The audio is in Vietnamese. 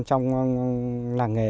trong làng nghề